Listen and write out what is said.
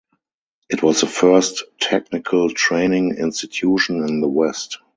It was the first technical training institution in the West.